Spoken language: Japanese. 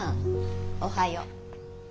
おはよう。